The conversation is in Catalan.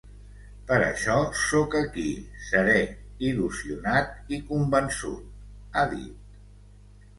Per això sóc aquí, serè, il·lusionat i convençut, ha dit.